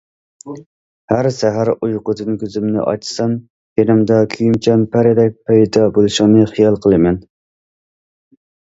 ھەر سەھەر ئۇيقۇدىن كۆزۈمنى ئاچسام، يېنىمدا كۆيۈمچان پەرىدەك پەيدا بولۇشۇڭنى خىيال قىلىمەن.